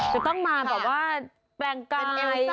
จะต้องมาแบบว่าแปลงกันไง